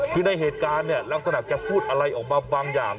คือในเหตุการณ์เนี่ยลักษณะจะพูดอะไรออกมาบางอย่าง